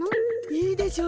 いいでしょ？